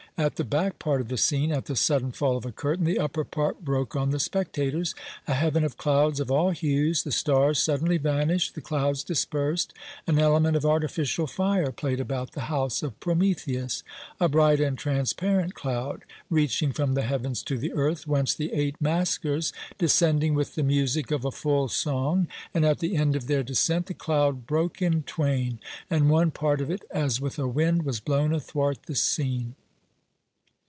At the back part of the scene, at the sudden fall of a curtain, the upper part broke on the spectators, a heaven of clouds of all hues; the stars suddenly vanished, the clouds dispersed; an element of artificial fire played about the house of Prometheus a bright and transparent cloud, reaching from the heavens to the earth, whence the eight masquers descending with the music of a full song; and at the end of their descent the cloud broke in twain, and one part of it, as with a wind, was blown athwart the scene.